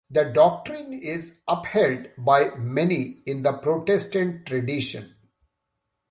The doctrine is upheld by many in the Protestant tradition.